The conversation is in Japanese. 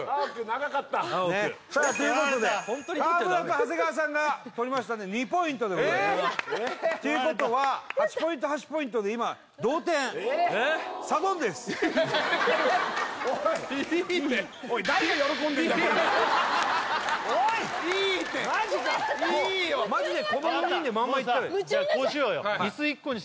長かったさあということで川村と長谷川さんがとりましたんで２ポイントでございますっていうことは８ポイント８ポイントで今同点おいっおいいいっておいっいいっていいよマジでこの４人でまんまいったら分かったもうさこうしようよ